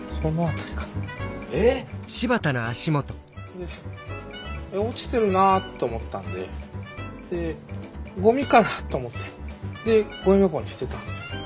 で落ちてるなと思ったんででゴミかなと思ってでゴミ箱に捨てたんですよ。